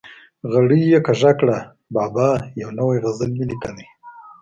غړۍ یې کږه کړه: بابا یو نوی غزل مې لیکلی.